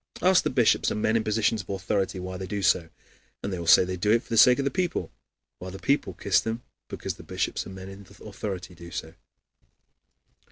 Ask the bishops and men in positions of authority why they do so, and they will say they do it for the sake of the people, while the people kiss them because the bishops and men in authority do so.